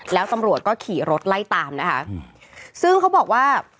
แล้วตำรวจก็ขี่รถไล่ตามนะคะซึ่งเขาบอกว่า